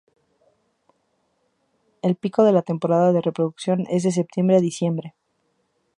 El pico de la temporada de reproducción es de septiembre a diciembre.